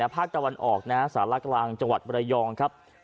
ภาคตะวันออกสารกลางจังหวัดบรยองครับ